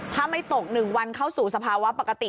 ถ้าไม่ตก๑วันเข้าสู่สภาวะปกติ